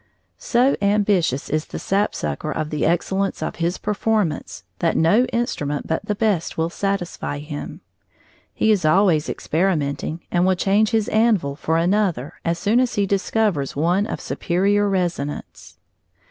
So ambitious is the sapsucker of the excellence of his performance that no instrument but the best will satisfy him. He is always experimenting, and will change his anvil for another as soon as he discovers one of superior resonance.